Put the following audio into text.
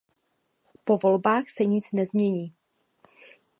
Po volbách se nic nezmění.